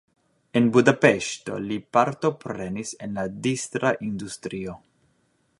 En Budapeŝto li partoprenis en la distra industrio.